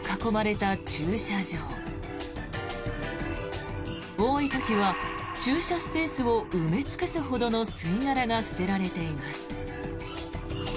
多い時は駐車スペースを埋め尽くすほどの吸い殻が捨てられています。